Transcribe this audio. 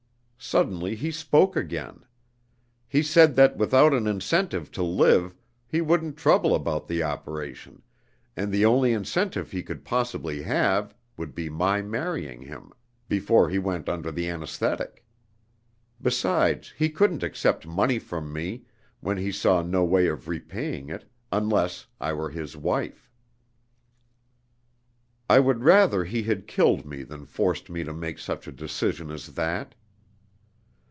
Suddenly he spoke again. He said that without an incentive to live, he wouldn't trouble about the operation, and the only incentive he could possibly have would be my marrying him, before he went under the anesthetic. Besides, he couldn't accept money from me, when he saw no way of repaying it, unless I were his wife. I would rather he had killed me than force me to make such a decision as that!